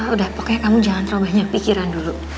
udah pokoknya kamu jangan terlalu banyak pikiran dulu